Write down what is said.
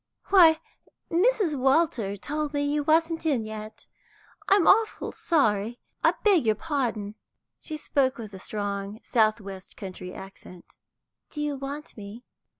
"Why, Mrs. Walter told me you wasn't in yet; I'm awful sorry, I beg your pardon." She spoke with a strong south west country accent. "Do you want me?"